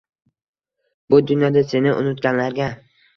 Bu dunyoda Seni unutganlarga…